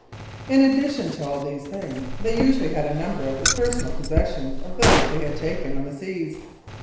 In addition to all these things, they usually had a number of the personal possessions of those they had taken on the seas.